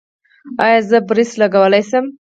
ایا زه برېس لګولی شم؟